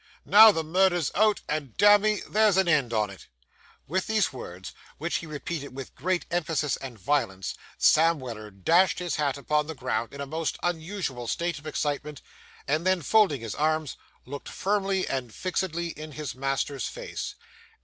Now the murder's out, and, damme, there's an end on it!' With these words, which he repeated with great emphasis and violence, Sam Weller dashed his hat upon the ground, in a most unusual state of excitement; and then, folding his arms, looked firmly and fixedly in his master's face.